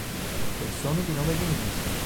Persone di nome Denise